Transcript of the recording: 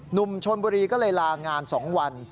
หนุ่มชนบุรีก็เลยลางาน๒วัน